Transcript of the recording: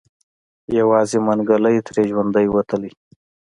يوازې منګلی تې ژوندی وتی.